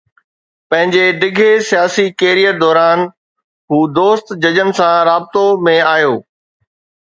پنهنجي ڊگهي سياسي ڪيريئر دوران هو دوست ججن سان رابطو ۾ آيو.